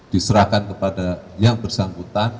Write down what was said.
diserahkan kepada yang bersangkutan